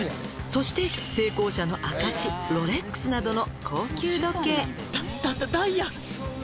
「そして成功者の証しロレックスなどの」「ダダダイヤ」